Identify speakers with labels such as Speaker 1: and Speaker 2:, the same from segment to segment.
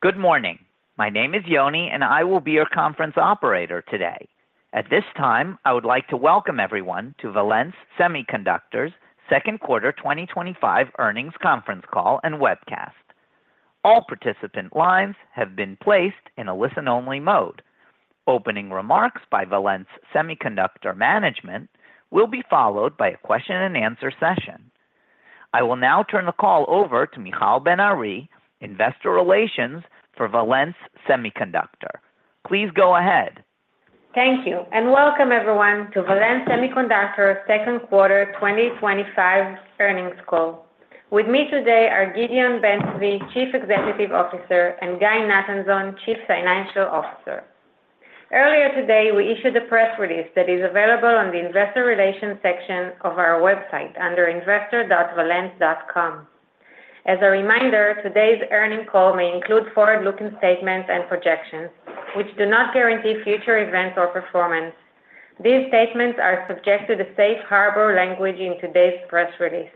Speaker 1: Good morning. My name is Yoni and I will be your conference operator today. At this time, I would like to welcome everyone to Valens Semiconductor's Second Quarter 2025 Earnings Conference Call and Webcast. All participant lines have been placed in a listen-only mode. Opening remarks by Valens Semiconductor management will be followed by a question and answer session. I will now turn the call over to Michal Ben Ari, Investor Relations for Valens Semiconductor. Please go ahead.
Speaker 2: Thank you and welcome everyone to Valens Semiconductor's Second Quarter 2025 Earnings Call. With me today are Gideon Ben-Zvi, Chief Executive Officer, and Guy Nathanzon, Chief Financial Officer. Earlier today, we issued a press release that is available on the investor relations section of our website under investor.valens.com. As a reminder, today's earnings call may include forward-looking statements and projections, which do not guarantee future events or performance. These statements are subject to the Safe Harbor language in today's press release.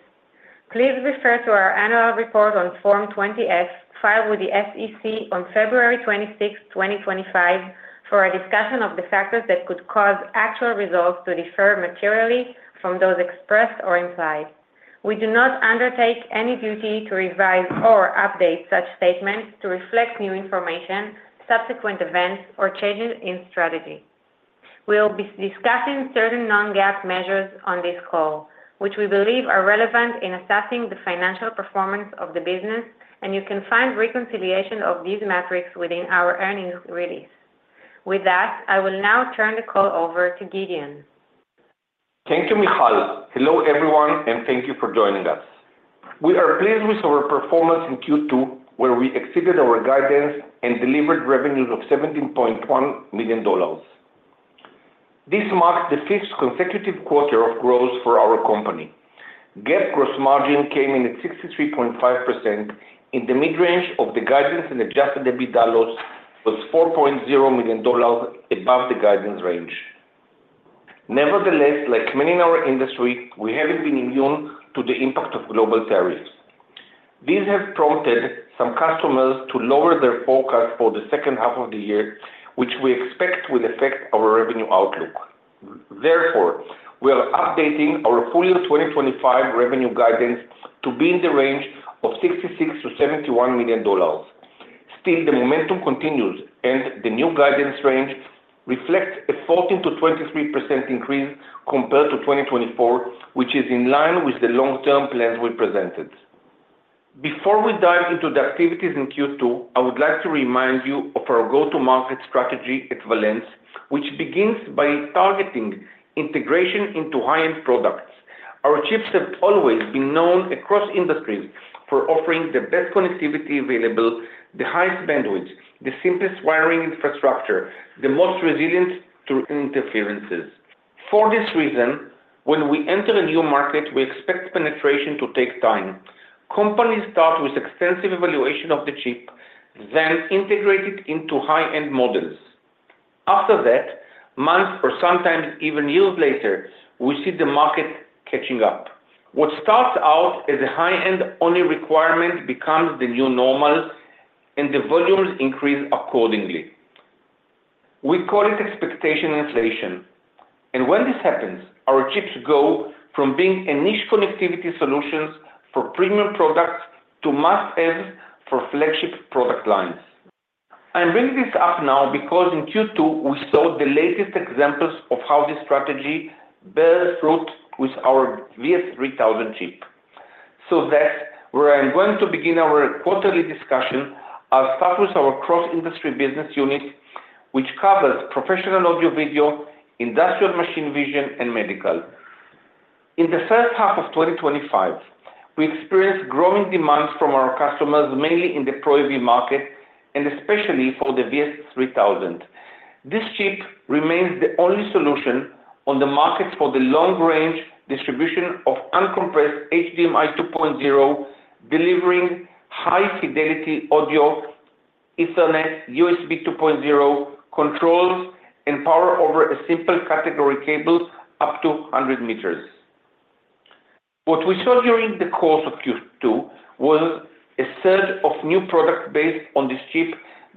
Speaker 2: Please refer to our annual report on Form 20-F filed with the SEC on February 26, 2025, for a discussion of the factors that could cause actual results to differ materially from those expressed or implied. We do not undertake any duty to revise or update such statements to reflect new information, subsequent events, or changes in strategy. We will be discussing certain non-GAAP measures on this call, which we believe are relevant in assessing the financial performance of the business, and you can find reconciliation of these metrics within our earnings release. With that, I will now turn the call over to Gideon.
Speaker 3: Thank you, Michal. Hello everyone, and thank you for joining us. We are pleased with our performance in Q2, where we exceeded our guidance and delivered revenues of $17.1 million. This marks the fifth consecutive quarter of growth for our company. GAAP gross margin came in at 63.5%, at the mid-range of the guidance, and adjusted EBITDA loss was $4.0 million, above the guidance range. Nevertheless, like many in our industry, we haven't been immune to the impact of global tariffs. This has prompted some customers to lower their forecasts for the second half of the year, which we expect will affect our revenue outlook. Therefore, we are updating our full year 2025 revenue guidance to be in the range of $66 million-$71 million. Still, the momentum continues, and the new guidance range reflects a 14%-23% increase compared to 2024, which is in line with the long-term plans we presented. Before we dive into the activities in Q2, I would like to remind you of our go-to-market strategy at Valens, which begins by targeting integration into high-end products. Our chips have always been known across industries for offering the best connectivity available, the highest bandwidth, the simplest wiring infrastructure, and the most resilient to interferences. For this reason, when we enter a new market, we expect penetration to take time. Companies start with extensive evaluation of the chip, then integrate it into high-end models. After that, months or sometimes even years later, we see the market catching up. What starts out as a high-end only requirement becomes the new normal, and the volumes increase accordingly. We call it expectation inflation. When this happens, our chips go from being a niche connectivity solution for premium products to must-haves for flagship product lines. I'm bringing this up now because in Q2, we saw the latest examples of how this strategy bears fruit with our VS3000 chip. That's where I'm going to begin our quarterly discussion. I'll start with our cross-industry business unit, which covers professional audio-video, industrial machine vision, and medical. In the first half of 2025, we experienced growing demands from our customers, mainly in the Pro AV market, and especially for the VS3000. This chip remains the only solution on the market for the long-range distribution of uncompressed HDMI 2.0, delivering high-fidelity audio, Ethernet, USB 2.0 controls, and power over a simple category cable up to 100 m. What we saw during the course of Q2 was a surge of new products based on this chip,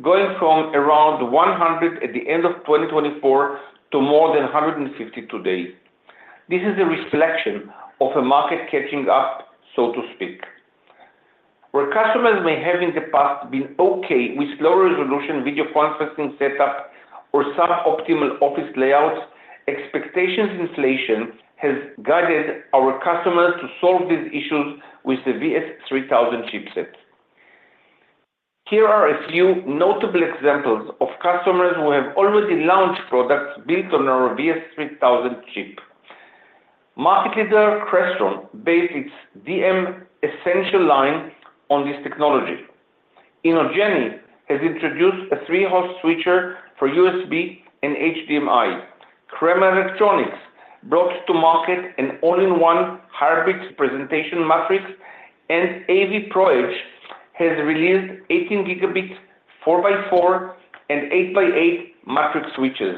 Speaker 3: going from around 100 at the end of 2024 to more than 150 today. This is a reflection of a market catching up, so to speak. Where customers may have in the past been okay with low-resolution video conferencing setups or suboptimal office layouts, expectation inflation has guided our customers to solve these issues with the VS3000 chipset. Here are a few notable examples of customers who have already launched products built on our VS3000 chip. Market leader Crestron based its DM Essential line on this technology. INOGENI has introduced a three-host switcher for USB and HDMI. Kramer Electronics brought to market an all-in-one hybrid presentation matrix, and AVPro Edge has released 18 Gb 4x4 and 8x8 matrix switches.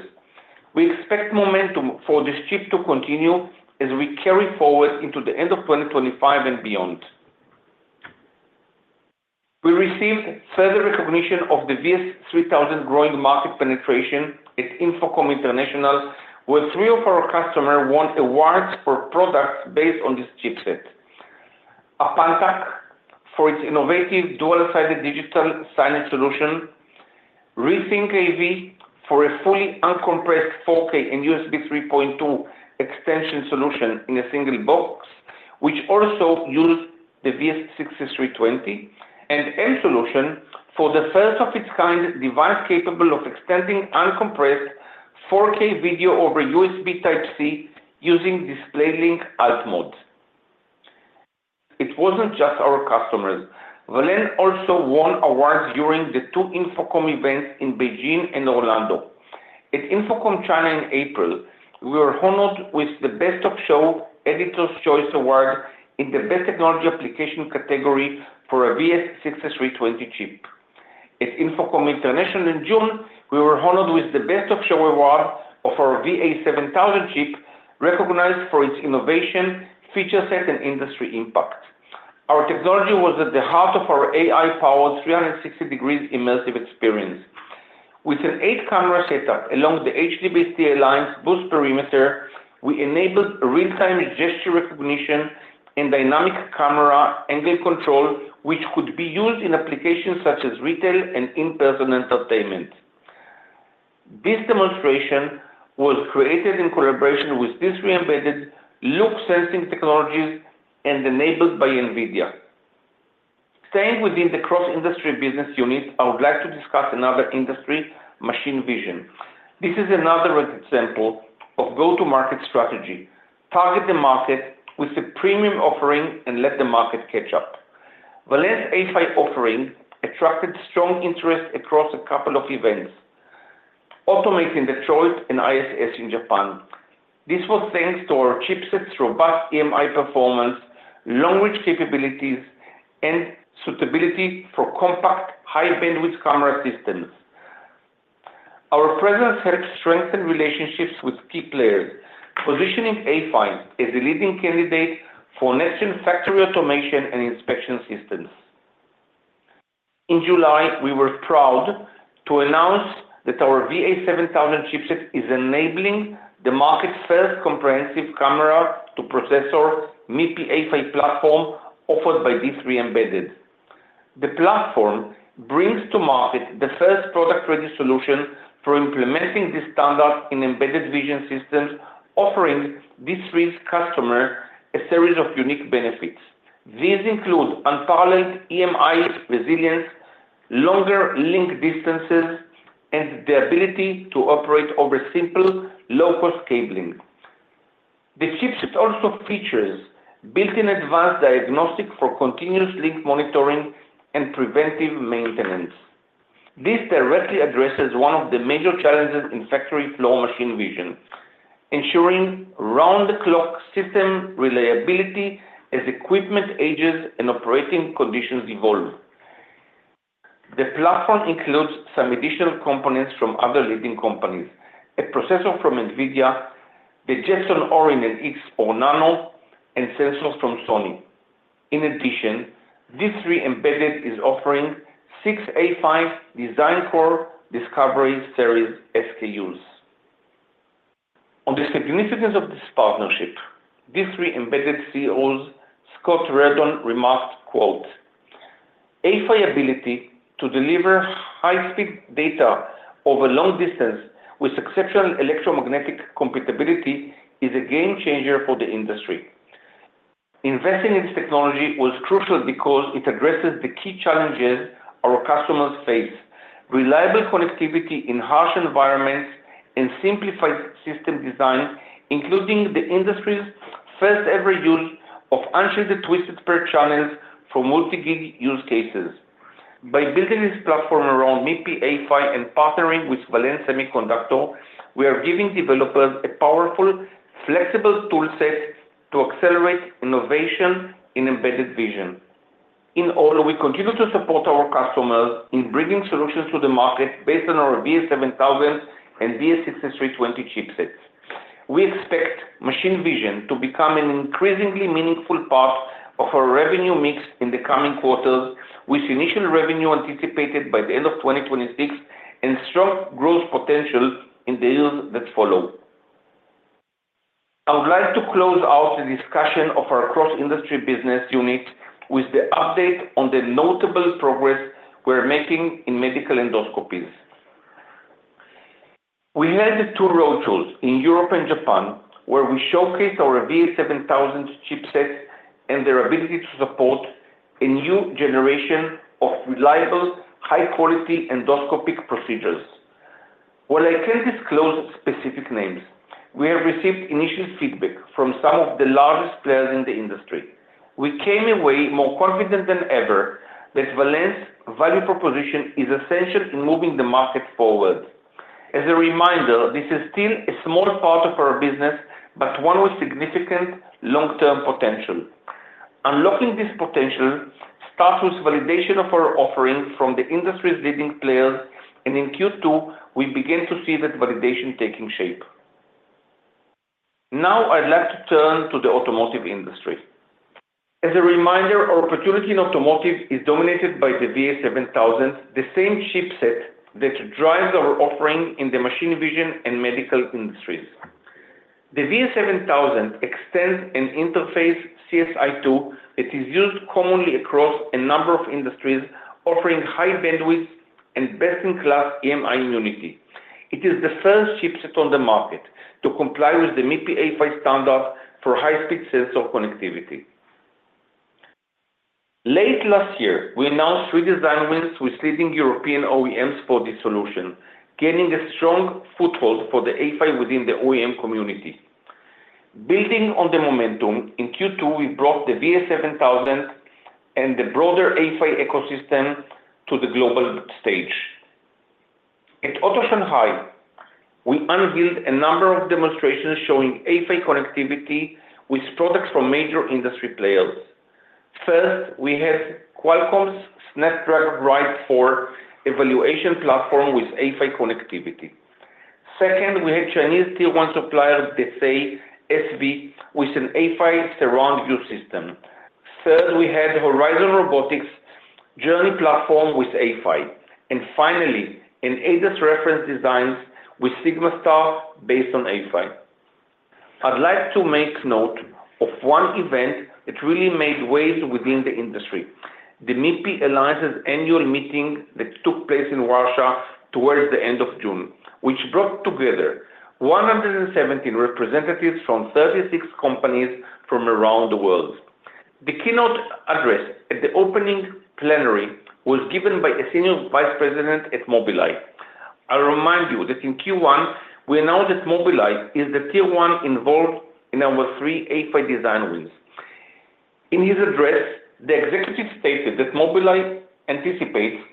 Speaker 3: We expect momentum for this chip to continue as we carry forward into the end of 2025 and beyond. We received further recognition of the VS3000 growing market penetration at Infocom events, where three of our customers won awards for products based on this chipset: Apantac for its innovative dual-sided digital signage solution, Rethink AV for a fully uncompressed 4K and USB 3.2 extension solution in a single box, which also used the VS6320, and M-Solution for the first of its kind device capable of extending uncompressed 4K video over USB Type-C using DisplayLink Alt mode. It wasn't just our customers. Valens also won awards during the two InfoComm events in Beijing and Orlando. At InfoComm China in April, we were honored with the Best of Show Editor's Choice Award in the Best Technology Application category for a VS6320 chip. At Infocom International in June, we were honored with the Best of Show Award for our VA7000 chip, recognized for its innovation, feature set, and industry impact. Our technology was at the heart of our AI-powered 360-degree immersive experience. With an eight-camera setup along the HDBaseT lines boost perimeter, we enabled real-time gesture recognition and dynamic camera angle control, which could be used in applications such as retail and in-person entertainment. This demonstration was created in collaboration with D3 Embedded Look Sensing Technologies and enabled by NVIDIA. Staying within the CIB (cross-industry business unit), I would like to discuss another industry, machine vision. This is another example of go-to-market strategy. Target the market with a premium offering and let the market catch up. Valens A-PHY offering attracted strong interest across a couple of events, ultimately in Detroit and ISS in Japan. This was thanks to our chipset's robust EMI performance, long-reach capabilities, and suitability for compact, high-bandwidth camera systems. Our presence helped strengthen relationships with key players, positioning A-PHY as a leading candidate for next-gen factory automation and inspection systems. In July, we were proud to announce that our VA7000 chipset is enabling the market's first comprehensive camera-to-processor MIPI A-PHY platform offered by D3 Embedded. The platform brings to market the first product-ready solution for implementing this standard in embedded vision systems, offering D3's customers a series of unique benefits. These include unparalleled EMI resilience, longer link distances, and the ability to operate over simple, low-cost cabling. The chipset also features built-in advanced diagnostics for continuous link monitoring and preventive maintenance. This directly addresses one of the major challenges in factory-floor machine vision, ensuring round-the-clock system reliability as equipment ages and operating conditions evolve. The platform includes some additional components from other leading companies: a processor from NVIDIA, the Jetson Orin NX or Nano, and sensors from Sony. In addition, D3 Embedded is offering six A-PHY Design Core Discovery Series SKUs. On the significance of this partnership, D3 Embedded CEO Scott Reardon remarked, "A-PHY ability to deliver high-speed data over long distances with exceptional electromagnetic compatibility is a game changer for the industry." Investing in this technology was crucial because it addresses the key challenges our customers face: reliable connectivity in harsh environments and simplified system design, including the industry's first-ever use of unshielded twisted pair channels for multi-gig use cases. By building this platform around MIPI A-PHY and partnering with Valens Semiconductor, we are giving developers a powerful, flexible toolset to accelerate innovation in embedded vision. In all, we continue to support our customers in bringing solutions to the market based on our VA7000 and VS6320 chipsets. We expect machine vision to become an increasingly meaningful part of our revenue mix in the coming quarters, with initial revenue anticipated by the end of 2026 and strong growth potential in the years that follow. I would like to close out the discussion of our cross-industry business unit with the update on the notable progress we're making in medical endoscopies. We held two roadshows in Europe and Japan, where we showcased our VA7000 chipsets and their ability to support a new generation of reliable, high-quality endoscopic procedures. While I can't disclose specific names, we have received initial feedback from some of the largest players in the industry. We came away more confident than ever that Valens' value proposition is essential in moving the market forward. As a reminder, this is still a small part of our business, but one with significant long-term potential. Unlocking this potential starts with validation of our offering from the industry's leading players, and in Q2, we began to see that validation taking shape. Now, I'd like to turn to the automotive industry. As a reminder, our opportunity in automotive is dominated by the VA7000, the same chipset that drives our offering in the machine vision and medical industries. The VA7000 extends an interface CSI-2 that is used commonly across a number of industries, offering high bandwidth and best-in-class EMI immunity. It is the first chipset on the market to comply with the MIPI A-PHY standard for high-speed sensor connectivity. Late last year, we announced three design wins with leading European OEMs for this solution, gaining a strong foothold for the A-PHY within the OEM community. Building on the momentum, in Q2, we brought the VA7000 and the broader A-PHY ecosystem to the global stage. At Auto Shanghai, we unveiled a number of demonstrations showing A-PHY connectivity with products from major industry players. First, we had Qualcomm's Snapdragon Ride evaluation platform with A-PHY connectivity. Second, we had Chinese tier-one supplier Desay SV with an A-PHY surround view system. Third, we had Horizon Robotics' Journey platform with A-PHY. Finally, an ADAS reference design with SigmaStar based on A-PHY. I'd like to make note of one event that really made waves within the industry: the MIPI Alliance's annual meeting that took place in Russia towards the end of June, which brought together 117 representatives from 36 companies from around the world. The keynote address at the opening plenary was given by a Senior Vice President at Mobileye. I'll remind you that in Q1, we announced that Mobileye is the tier one involved in our three A-PHY design wins. In his address, the executive stated that Mobileye anticipates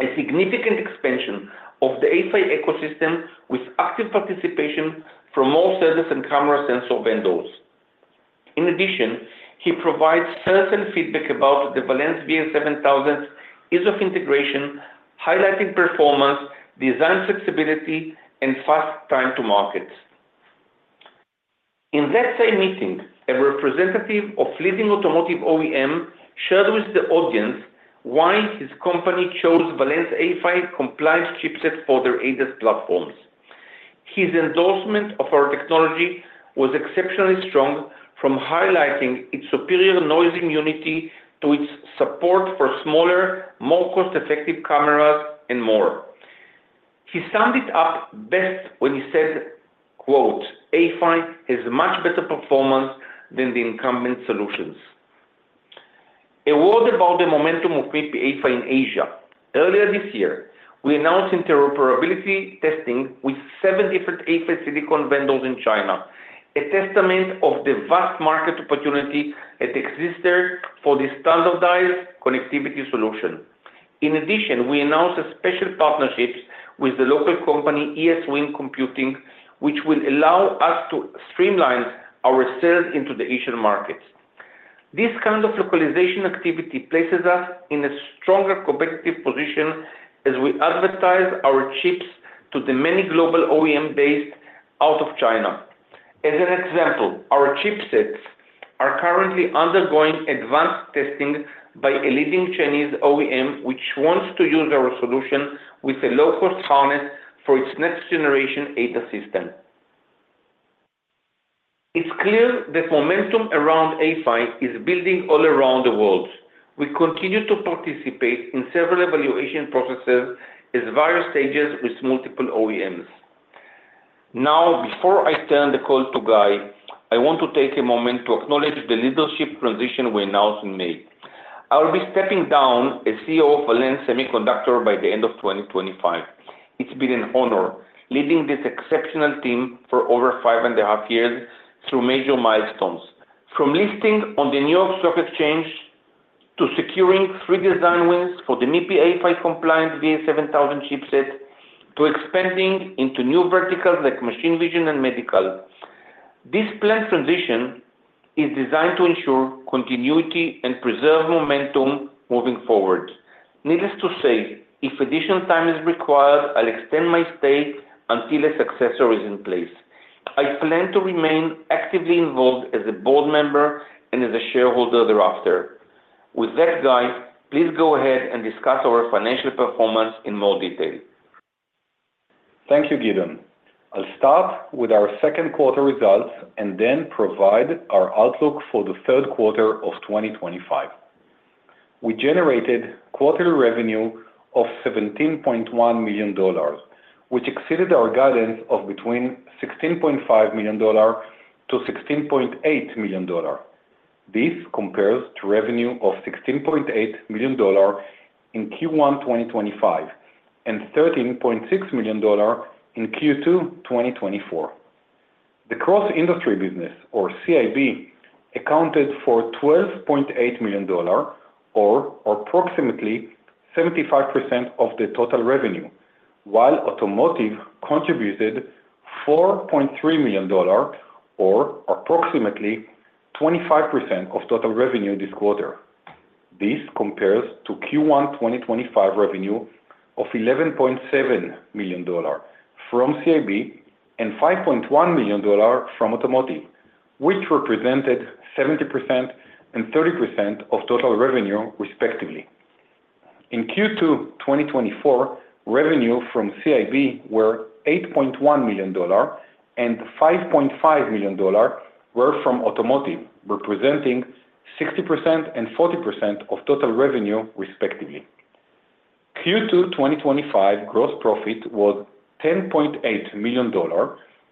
Speaker 3: a significant expansion of the A-PHY ecosystem with active participation from all sellers and camera sensor vendors. In addition, he provided first-hand feedback about the Valens VA7000's ease of integration, highlighting performance, design flexibility, and fast time-to-market. In that same meeting, a representative of leading automotive OEMs shared with the audience why his company chose Valens A-PHY-compliant chipsets for their ADAS platforms. His endorsement of our technology was exceptionally strong, from highlighting its superior noise immunity to its support for smaller, more cost-effective cameras and more. He summed it up best when he said, quote, "A-PHY has much better performance than the incumbent solutions." A word about the momentum of MIPI A-PHY in Asia. Earlier this year, we announced interoperability testing with seven different A-PHY silicon vendors in China, a testament of the vast market opportunity that exists there for this standardized connectivity solution. In addition, we announced a special partnership with the local company ESWIN Computing, which will allow us to streamline our sales into the Asian markets. This kind of localization activity places us in a stronger competitive position as we advertise our chips to the many global OEMs based out of China. As an example, our chipsets are currently undergoing advanced testing by a leading Chinese OEM, which wants to use our solution with a low-cost harness for its next-generation ADAS system. It's clear that momentum around A-PHY is building all around the world. We continue to participate in several evaluation processes at various stages with multiple OEMs. Now, before I turn the call to Guy, I want to take a moment to acknowledge the leadership transition we announced and made. I'll be stepping down as CEO of Valens Semiconductor by the end of 2025. It's been an honor leading this exceptional team for over five and a half years through major milestones, from listing on the New York Stock Exchange to securing three design wins for the MIPI A-PHY-compliant VA7000 chipset to expanding into new verticals like machine vision and medical. This planned transition is designed to ensure continuity and preserve momentum moving forward. Needless to say, if additional time is required, I'll extend my stay until a successor is in place. I plan to remain actively involved as a board member and as a shareholder thereafter. With that, Guy, please go ahead and discuss our financial performance in more detail.
Speaker 4: Thank you, Gideon. I'll start with our second quarter results and then provide our outlook for the third quarter of 2025. We generated quarterly revenue of $17.1 million, which exceeded our guidance of between $16.5 million-$16.8 million. This compares to revenue of $16.8 million in Q1 2025 and $13.6 million in Q2 2024. The cross-industry business, or CIB, accounted for $12.8 million, or approximately 75% of the total revenue, while automotive contributed $4.3 million, or approximately 25% of total revenue this quarter. This compares to Q1 2025 revenue of $11.7 million from CIB and $5.1 million from automotive, which represented 70% and 30% of total revenue, respectively. In Q2 2024, revenue from CIB was $8.1 million, and $5.5 million was from automotive, representing 60% and 40% of total revenue, respectively. Q2 2025 gross profit was $10.8 million,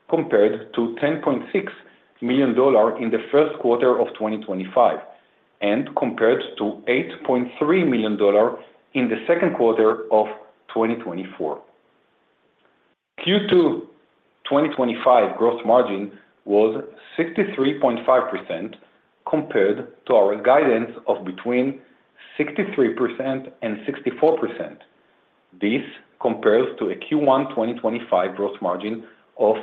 Speaker 4: compared to $10.6 million in the first quarter of 2025, and compared to $8.3 million in the second quarter of 2024. Q2 2025 gross margin was 63.5%, compared to our guidance of between 63% and 64%. This compares to a Q1 2025 gross margin of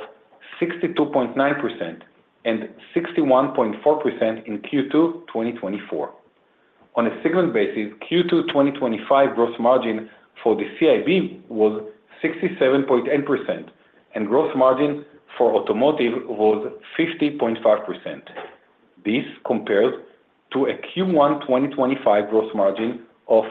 Speaker 4: 62.9% and 61.4% in Q2 2024. On a segment basis, Q2 2025 gross margin for the CIB was 67.8%, and gross margin for automotive was 50.5%. This compares to a Q1 2025 gross margin of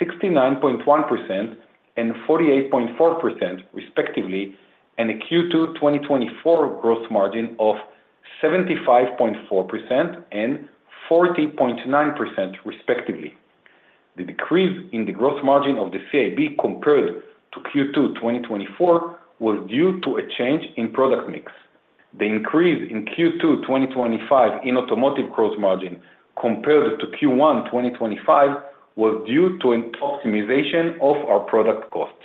Speaker 4: 69.1% and 48.4%, respectively, and a Q2 2024 gross margin of 75.4% and 40.9%, respectively. The decrease in the gross margin of the CIB compared to Q2 2024 was due to a change in product mix. The increase in Q2 2025 in automotive gross margin compared to Q1 2025 was due to an optimization of our product costs.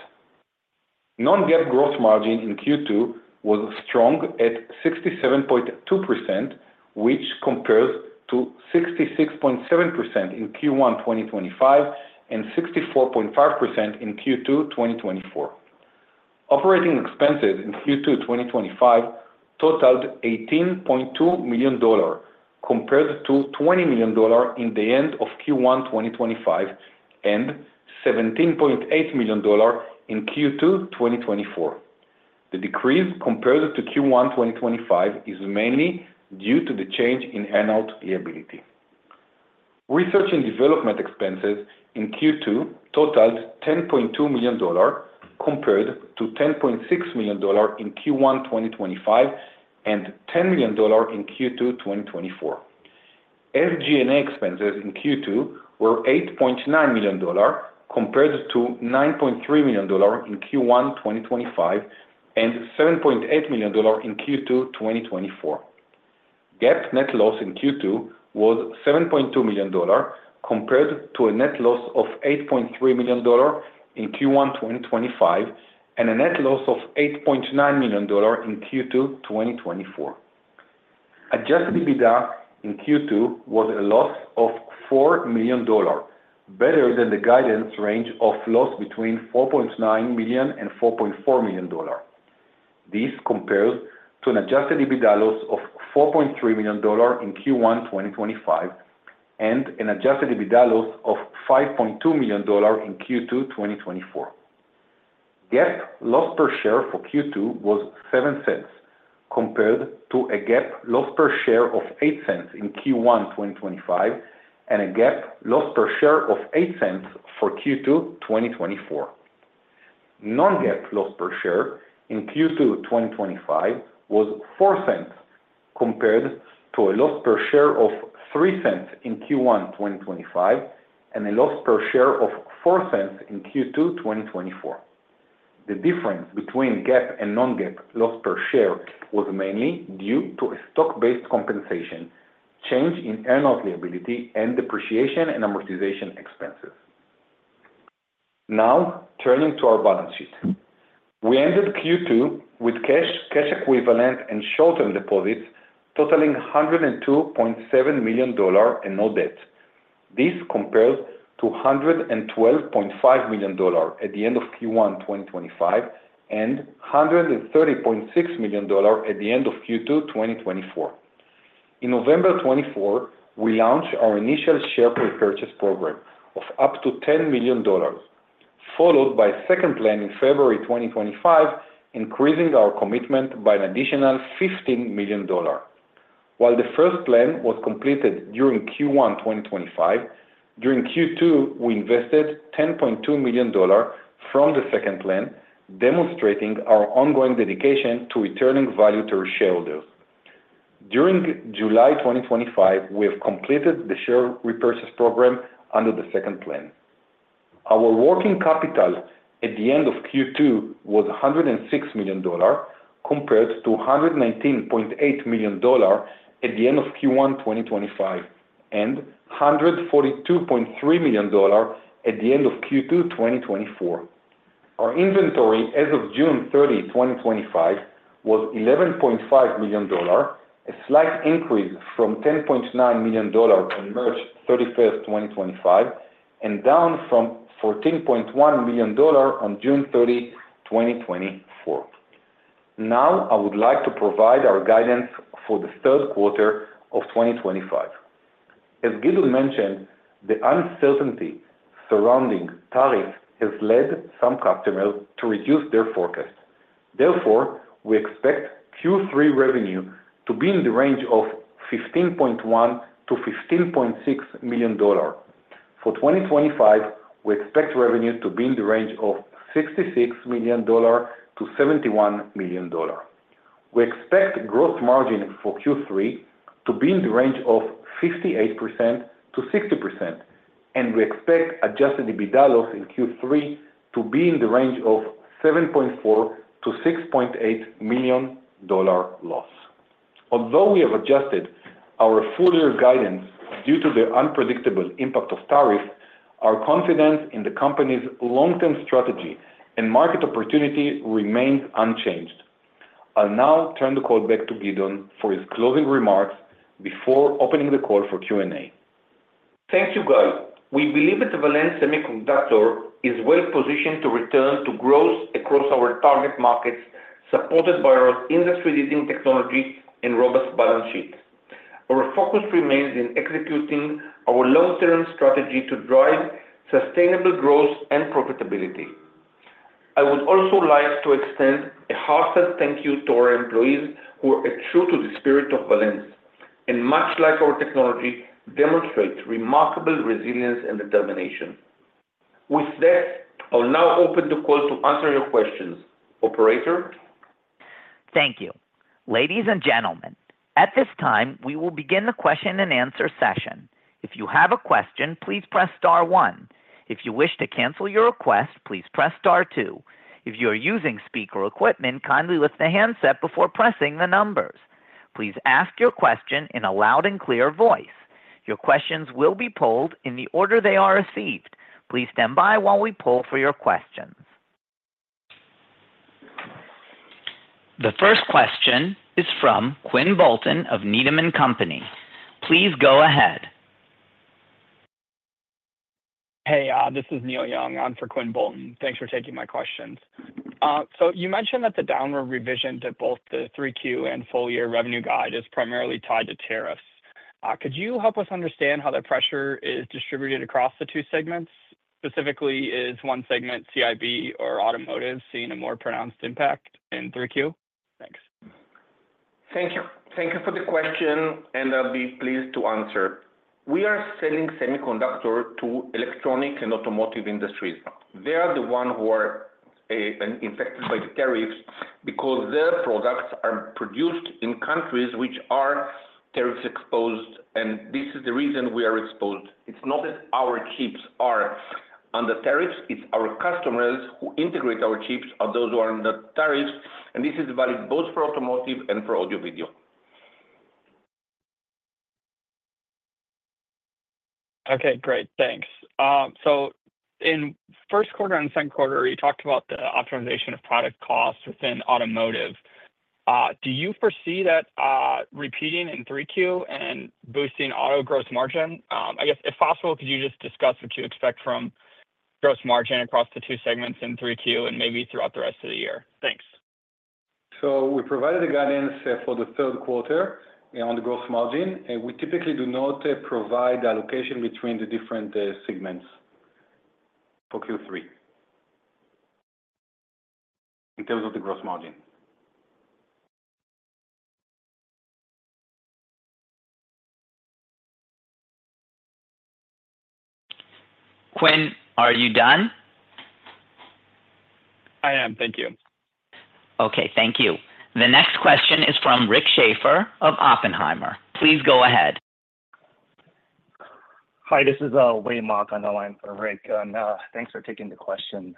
Speaker 4: Non-GAAP gross margin in Q2 was strong at 67.2%, which compares to 66.7% in Q1 2025 and 64.5% in Q2 2024. Operating expenses in Q2 2025 totaled $18.2 million, compared to $20 million in the end of Q1 2025 and $17.8 million in Q2 2024. The decrease compared to Q1 2025 is mainly due to the change in annual liability. Research and development expenses in Q2 totaled $10.2 million, compared to $10.6 million in Q1 2025 and $10 million in Q2 2024. FG&A expenses in Q2 were $8.9 million, compared to $9.3 million in Q1 2025 and $7.8 million in Q2 2024. GAAP net loss in Q2 was $7.2 million, compared to a net loss of $8.3 million in Q1 2025 and a net loss of $8.9 million in Q2 2024. Adjusted EBITDA in Q2 was a loss of $4 million, better than the guidance range of loss between $4.9 million and $4.4 million. This compares to an adjusted EBITDA loss of $4.3 million in Q1 2025 and an adjusted EBITDA loss of $5.2 million in Q2 2024. GAAP loss per share for Q2 was $0.07, compared to a GAAP loss per share of $0.08 in Q1 2025 and a GAAP loss per share of $0.08 for Q2 2024. Non-GAAP loss per share in Q2 2025 was $0.04, compared to a loss per share of $0.03 in Q1 2025 and a loss per share of $0.04 in Q2 2024. The difference between GAAP and non-GAAP loss per share was mainly due to stock-based compensation, change in annual liability, and depreciation and amortization expenses. Now, turning to our balance sheet, we ended Q2 with cash, cash equivalents, and short-term deposits totaling $102.7 million and no debt. This compares to $112.5 million at the end of Q1 2025 and $130.6 million at the end of Q2 2024. In November 2024, we launched our initial share repurchase program of up to $10 million, followed by a second plan in February 2025, increasing our commitment by an additional $15 million. While the first plan was completed during Q1 2025, during Q2 we invested $10.2 million from the second plan, demonstrating our ongoing dedication to returning value to our shareholders. During July 2025, we have completed the share repurchase program under the second plan. Our working capital at the end of Q2 was $106 million, compared to $119.8 million at the end of Q1 2025 and $142.3 million at the end of Q2 2024. Our inventory as of June 30, 2025, was $11.5 million, a slight increase from $10.9 million on March 31, 2025, and down from $14.1 million on June 30, 2024. Now, I would like to provide our guidance for the third quarter of 2025. As Gideon mentioned, the uncertainty surrounding tariffs has led some customers to reduce their forecasts. Therefore, we expect Q3 revenue to be in the range of $15.1 million-$15.6 million. For 2025, we expect revenue to be in the range of $66 million-$71 million. We expect gross margin for Q3 to be in the range of 58%-60%, and we expect adjusted EBITDA loss in Q3 to be in the range of $7.4 million-$6.8 million loss. Although we have adjusted our full-year guidance due to the unpredictable impact of tariffs, our confidence in the company's long-term strategy and market opportunity remains unchanged. I'll now turn the call back to Gideon for his closing remarks before opening the call for Q&A.
Speaker 3: Thank you, Guy. We believe that Valens Semiconductor is well-positioned to return to growth across our target markets, supported by our industry-leading technology and robust balance sheet. Our focus remains in executing our long-term strategy to drive sustainable growth and profitability. I would also like to extend a heartfelt thank you to our employees who are true to the spirit of Valens, and much like our technology, demonstrate remarkable resilience and determination. With that, I'll now open the call to answer your questions. Operator?
Speaker 1: Thank you. Ladies and gentlemen, at this time, we will begin the question and answer session. If you have a question, please press star one. If you wish to cancel your request, please press star two. If you are using speaker equipment, kindly lift the handset before pressing the numbers. Please ask your question in a loud and clear voice. Your questions will be pulled in the order they are received. Please stand by while we pull for your questions. The first question is from Quinn Bolton of Needham & Company. Please go ahead.
Speaker 5: Hey, this is Neil Young. I'm for Quinn Bolton. Thanks for taking my questions. You mentioned that the downward revision to both the 3Q and full-year revenue guide is primarily tied to tariffs. Could you help us understand how the pressure is distributed across the two segments? Specifically, is one segment, CIB or automotive, seeing a more pronounced impact in 3Q?
Speaker 3: Thank you. Thank you for the question, and I'll be pleased to answer. We are selling semiconductors to electronic and automotive industries. They are the ones who are affected by the tariffs because their products are produced in countries which are tariff-exposed, and this is the reason we are exposed. It's not that our chips are under tariffs, it's our customers who integrate our chips are those who are under tariffs, and this is valid both for automotive and for audio-video.
Speaker 5: Okay, great. Thanks. In the first quarter and the second quarter, you talked about the optimization of product costs within automotive. Do you foresee that repeating in 3Q and boosting auto gross margin? If possible, could you just discuss what you expect from gross margin across the two segments in 3Q and maybe throughout the rest of the year?
Speaker 3: Thanks. We provided the guidance for the third quarter on gross margin, and we typically do not provide allocation between the different segments for Q3 in terms of the gross margin.
Speaker 1: Quinn, are you done?
Speaker 5: I am. Thank you.
Speaker 1: Okay, thank you. The next question is from Rick Schafer of Oppenheimer. Please go ahead.
Speaker 6: Hi, this is Wei Mok on the line for Rick, and thanks for taking the question.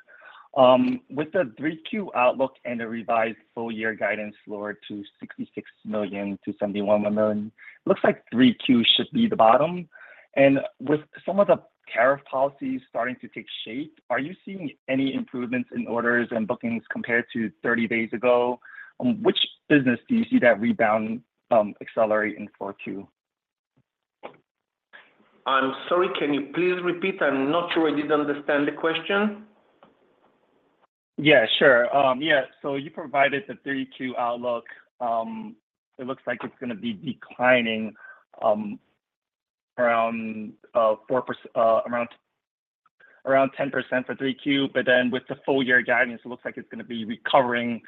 Speaker 6: With the 3Q outlook and a revised full-year guidance lowered to $66 million-$71 million, it looks like 3Q should be the bottom. With some of the tariff policies starting to take shape, are you seeing any improvements in orders and bookings compared to 30 days ago? Which business do you see that rebound accelerate in 4Q?
Speaker 3: I'm sorry, can you please repeat? I'm not sure I did understand the question.
Speaker 6: Yeah, sure. You provided the 3Q outlook. It looks like it's going to be declining around 10% for 3Q, but then with the full-year guidance, it looks like it's going to be recovering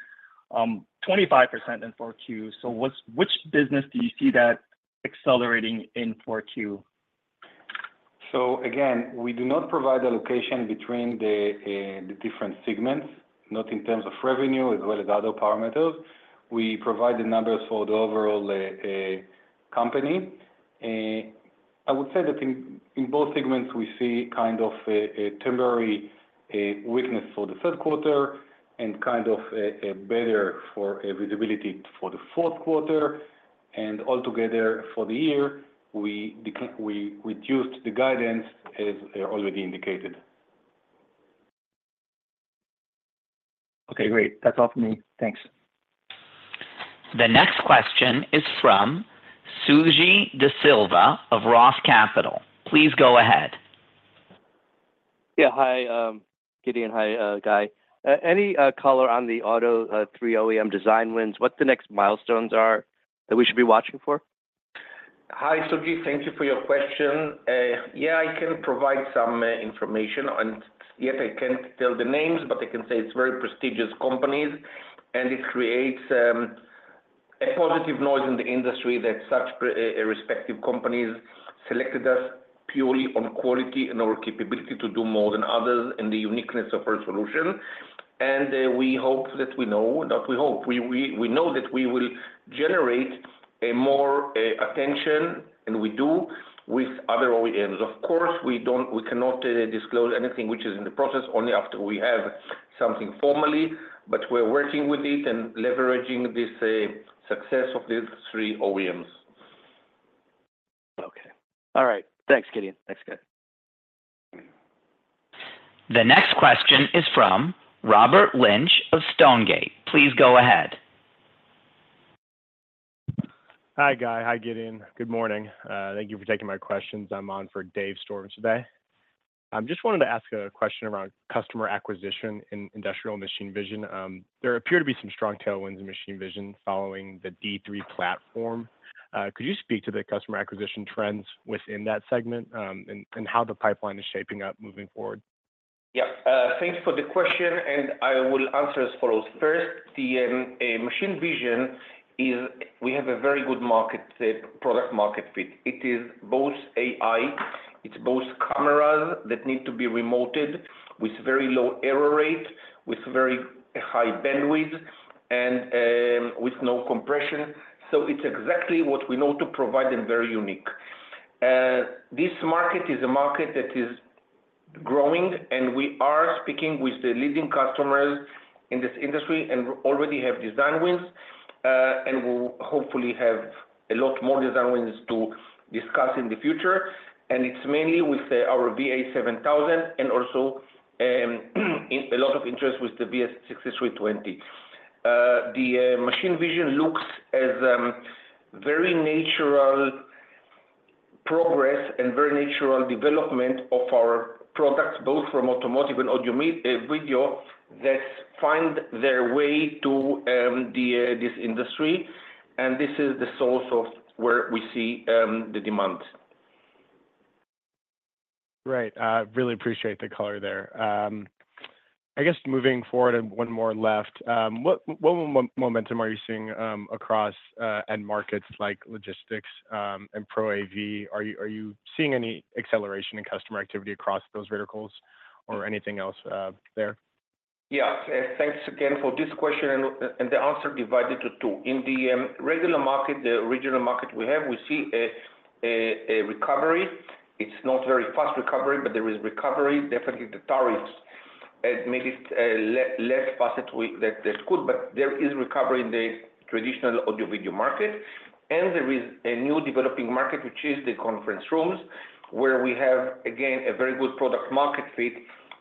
Speaker 6: 25% in 4Q. Which business do you see that accelerating in 4Q?
Speaker 3: We do not provide allocation between the different segments, not in terms of revenue as well as other parameters. We provide the numbers for the overall company. I would say that in both segments, we see kind of a temporary weakness for the third quarter and kind of a better visibility for the fourth quarter. Altogether for the year, we reduced the guidance, as already indicated.
Speaker 6: Okay, great. That's all from me. Thanks.
Speaker 1: The next question is from Suji Desilva of ROTH Capital. Please go ahead.
Speaker 7: Yeah, hi, Gideon. Hi, Guy. Any color on the auto three OEM design wins? What the next milestones are that we should be watching for?
Speaker 3: Hi, Suji. Thank you for your question. Yeah, I can provide some information, yet I can't tell the names, but I can say it's very prestigious companies, and it creates a positive noise in the industry that such respective companies selected us purely on quality and our capability to do more than others and the uniqueness of our solution. We know that we will generate more attention, and we do with other OEMs. Of course, we cannot disclose anything which is in the process, only after we have something formally, but we're working with it and leveraging this success of the three OEMs.
Speaker 7: Okay. All right. Thanks, Gideon. Thanks, Guy.
Speaker 1: The next question is from Robert Lynch of Stonegate. Please go ahead.
Speaker 8: Hi, Guy. Hi, Gideon. Good morning. Thank you for taking my questions. I'm on for Dave Storms today. I just wanted to ask a question around customer acquisition in industrial machine vision. There appear to be some strong tailwinds in machine vision following the D3 platform. Could you speak to the customer acquisition trends within that segment and how the pipeline is shaping up moving forward?
Speaker 3: Thanks for the question, and I will answer as follows. First, the machine vision is we have a very good product market fit. It is both AI, it's both cameras that need to be remoted with very low error rate, with very high bandwidth, and with no compression. It's exactly what we know to provide and very unique. This market is a market that is growing, and we are speaking with the leading customers in this industry and already have design wins, and we'll hopefully have a lot more design wins to discuss in the future. It's mainly with our VA7000 and also a lot of interest with the VS6320. The machine vision looks as a very natural progress and very natural development of our products, both from automotive and audio-video, that find their way to this industry. This is the source of where we see the demands.
Speaker 8: Right. I really appreciate the color there. I guess moving forward and one more left, what momentum are you seeing across end markets like logistics and Pro AV? Are you seeing any acceleration in customer activity across those verticals or anything else there?
Speaker 3: Yeah, thanks again for this question and the answer divided to two. In the regular market, the regional market we have, we see a recovery. It's not a very fast recovery, but there is recovery, definitely the tariffs made it less fast that they could, but there is recovery in the traditional audio-video market. There is a new developing market, which is the conference rooms, where we have, again, a very good product market fit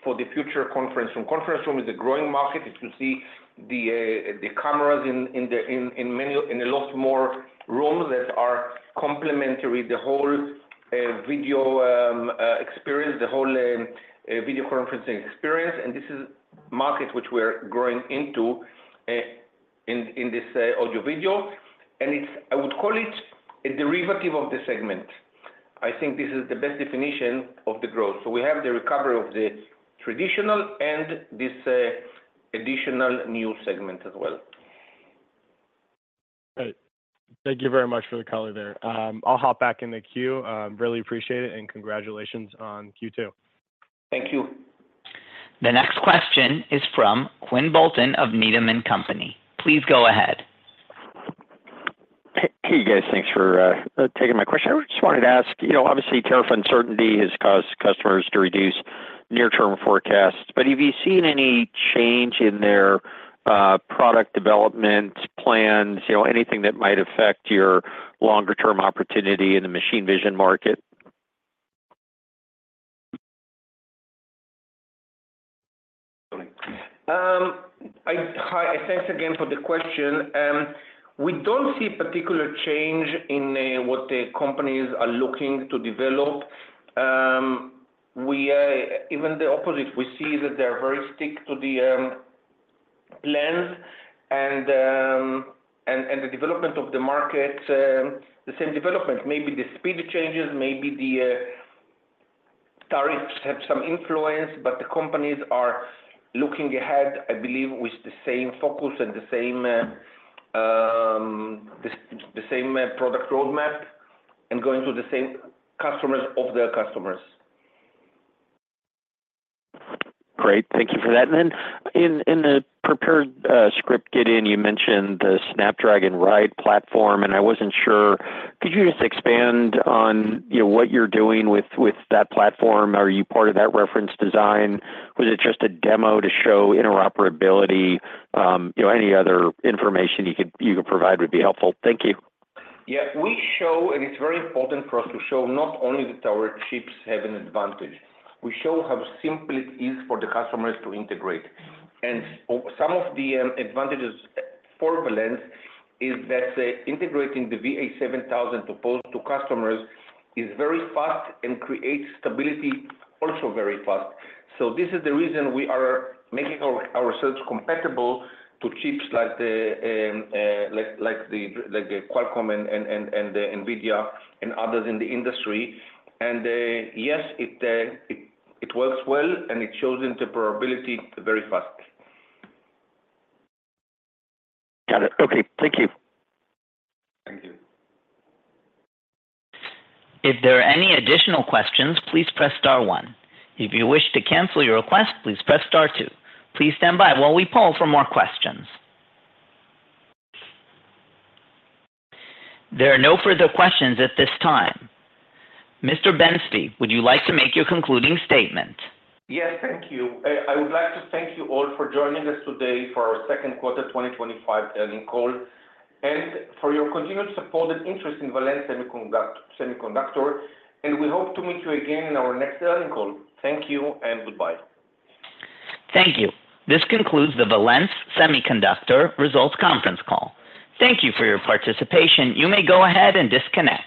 Speaker 3: for the future conference room. Conference room is a growing market. If you see the cameras in a lot more rooms that are complementary to the whole video experience, the whole video conferencing experience. This is a market which we are growing into in this audio-video. I would call it a derivative of the segment. I think this is the best definition of the growth. We have the recovery of the traditional and this additional new segment as well.
Speaker 8: Thank you very much for the color there. I'll hop back in the queue. Really appreciate it and congratulations on Q2.
Speaker 3: Thank you.
Speaker 1: The next question is from Quinn Bolton of Needham & Company. Please go ahead.
Speaker 9: Hey, guys, thanks for taking my question. I just wanted to ask, obviously, tariff uncertainty has caused customers to reduce near-term forecasts. Have you seen any change in their product development plans, anything that might affect your longer-term opportunity in the machine vision market?
Speaker 3: Hi, thanks again for the question. We don't see a particular change in what the companies are looking to develop. Even the opposite, we see that they're very stick to the plans and the development of the market. The same development, maybe the speed changes, maybe the tariffs have some influence, but the companies are looking ahead, I believe, with the same focus and the same product roadmap and going to the same customers of their customers.
Speaker 9: Great. Thank you for that. In the prepared script, Gideon, you mentioned the Snapdragon Ride Platform. I wasn't sure, could you just expand on what you're doing with that platform? Are you part of that reference design? Was it just a demo to show interoperability? Any other information you could provide would be helpful. Thank you.
Speaker 3: Yeah, we show, and it's very important for us to show not only that our chips have an advantage. We show how simple it is for the customers to integrate. Some of the advantages for Valens is that integrating the VA7000 to customers is very fast and creates stability also very fast. This is the reason we are making ourselves compatible to chips like the Qualcomm and NVIDIA and others in the industry. Yes, it works well, and it shows interoperability very fast.
Speaker 9: Got it. Okay. Thank you.
Speaker 1: If there are any additional questions, please press star one. If you wish to cancel your request, please press star two. Please stand by while we poll for more questions. There are no further questions at this time. Mr. Ben-Zvi, would you like to make your concluding statement?
Speaker 3: Yes, thank you. I would like to thank you all for joining us today for our second quarter 2025 earnings call and for your continued support and interest in Valens Semiconductor, and we hope to meet you again in our next earnings call. Thank you and goodbye.
Speaker 1: Thank you. This concludes the Valens Semiconductor Results Conference call. Thank you for your participation. You may go ahead and disconnect.